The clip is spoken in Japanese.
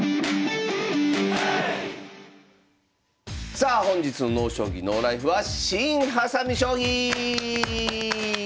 さあ本日の「ＮＯ将棋ＮＯＬＩＦＥ」は「新・はさみ将棋」！